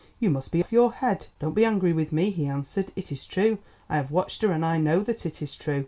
You must be off your head." "Don't be angry with me," he answered. "It is true. I have watched her and I know that it is true.